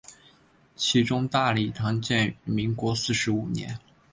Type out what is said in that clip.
其中大礼堂建于民国四十五年。